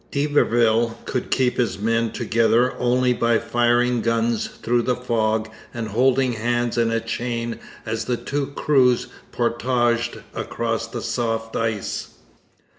D'Iberville could keep his men together only by firing guns through the fog and holding hands in a chain as the two crews portaged across the soft ice.